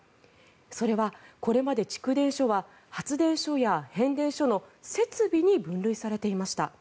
それは、これまで蓄電所は発電所や変電所の設置に分類されていました。